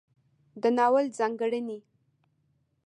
د ناول ځانګړنې